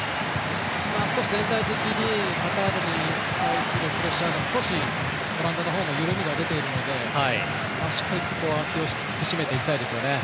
少し全体的にカタールに対するプレッシャーが少しオランダのほうも緩みが出ているのでしっかりここは気を引き締めていきたいですね。